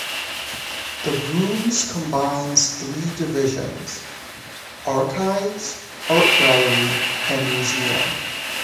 The Rooms combines three divisions: Archives, Art Gallery, and Museum.